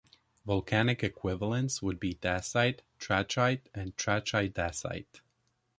Volcanic equivalents would be dacite, trachyte and trachydacite.